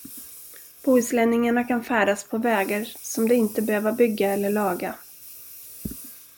Bohuslänningarna kan färdas på vägar som de inte behöva bygga eller laga.